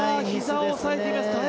ひざを押さえています。